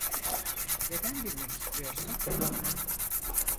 Neden bilmek istiyorsun?